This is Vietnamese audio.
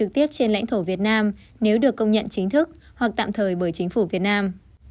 trên lãnh thổ việt nam nếu được công nhận chính thức hoặc tạm thời bởi chính phủ việt nam